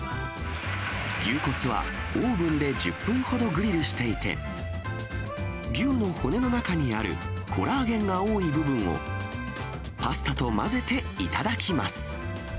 牛骨はオーブンで１０分ほどグリルしていて、牛の骨の中にあるコラーゲンが多い部分をパスタと混ぜて頂きます。